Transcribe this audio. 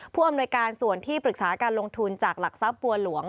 ผู้อำนวยการส่วนที่ปรึกษาการลงทุนจากหลักทรัพย์บัวหลวง